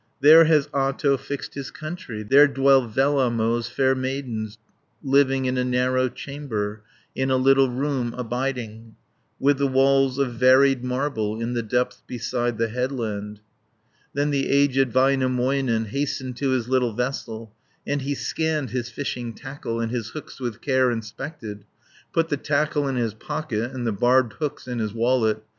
"There has Ahto fixed his country, There dwell Vellamo's fair maidens, 30 Living in a narrow chamber, In a little room abiding, With the walls of varied marble, In the depths beside the headland." Then the aged Väinämöinen Hastened to his little vessel, And he scanned his fishing tackle, And his hooks with care inspected; Put the tackle in his pocket, And the barbed hooks in his wallet.